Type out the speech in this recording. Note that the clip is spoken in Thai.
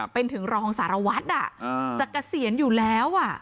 เป็นถึงรองสารวัฒน์อ่ะจักรเสียนอยู่แล้วอ่ะ